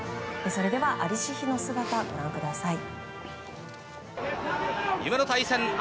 それでは、在りし日の姿ご覧ください。